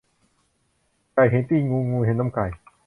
ไก่เห็นตีนงู งูเห็นนมไก่